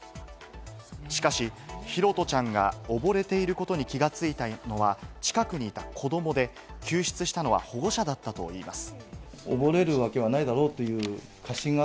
しかし、拓杜ちゃんが溺れていることに気が付いたのは近くにいた子供で、救出したのは保護者だったといいます。